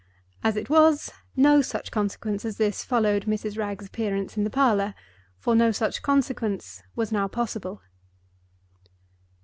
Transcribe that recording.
As it was, no such consequence as this followed Mrs. Wragge's appearance in the parlor; for no such consequence was now possible.